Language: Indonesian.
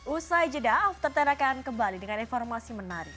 usai jedaaf tertarakan kembali dengan informasi menarik